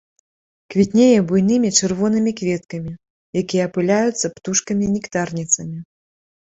Квітнее буйнымі чырвонымі кветкамі, якія апыляюцца птушкамі нектарніцамі.